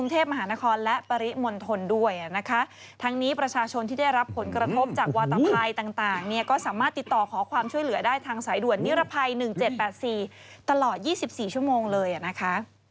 ทั้งนี้ประชาชนที่ได้รับผลกระทบจากวาตตาไพรต่างเนี่ยก็สามารถติดต่อขอความช่วยเหลือได้ทางสายด่วนนิรภัย๑๗๘๔ตลอด๒๔ชั่วโมง